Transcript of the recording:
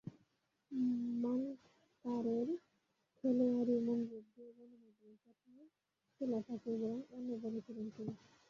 মানকাড়ের খেলোয়াড়ি মনোভাব নিয়ে গণমাধ্যমের প্রশ্ন তোলাটাকেই বরং অন্যায় বলেছিলেন তিনি।